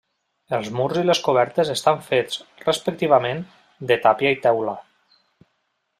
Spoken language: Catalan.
Els murs i les cobertes estan fets, respectivament, de tàpia i teula.